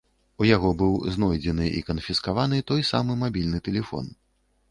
У яго быў знойдзены і канфіскаваны той самы мабільны тэлефон.